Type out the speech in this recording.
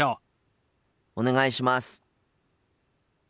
お願いします。